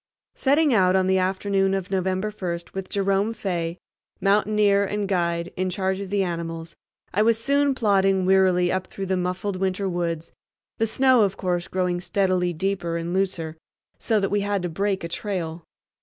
Setting out on the afternoon of November first, with Jerome Fay, mountaineer and guide, in charge of the animals, I was soon plodding wearily upward through the muffled winter woods, the snow of course growing steadily deeper and looser, so that we had to break a trail.